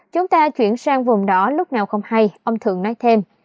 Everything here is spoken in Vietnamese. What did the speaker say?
chúng ta chuyển sang vùng đỏ lúc nào không hay ông thượng nói thêm